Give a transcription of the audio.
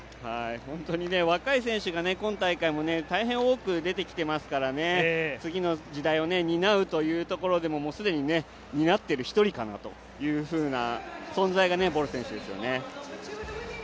本当にね若い選手が今大会大変多く出てきていますから次の時代を担うというところでも既に担っている１人かなというふうな存在がボル選手ですよね。